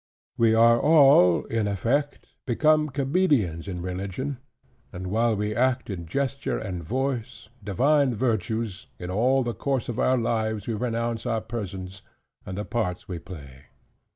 We are all (in effect) become comedians in religion: and while we act in gesture and voice, divine virtues, in all the course of our lives we renounce our persons, and the parts we play.